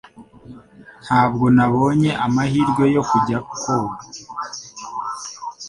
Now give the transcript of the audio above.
Ntabwo nabonye amahirwe yo kujya koga.